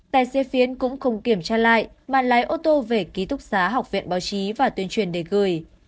tài xế phiến cũng không kiểm tra lại mà lái ô tô về ký túc xá học viện báo chí và tuyên truyền để gửi